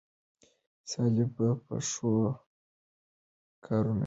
سیالي په ښو کارونو کې وکړئ.